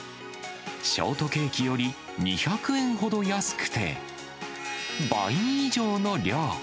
ショートケーキより２００円ほど安くて、倍以上の量。